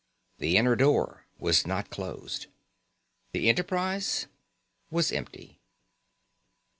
The inner door was not closed. The Enterprise was empty.